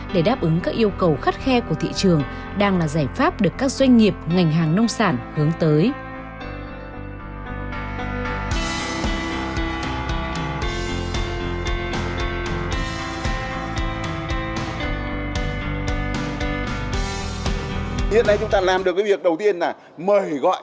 để đáp ứng các yêu cầu khắt khe của thị trường đang là giải pháp được các doanh nghiệp ngành hàng nông sản hướng tới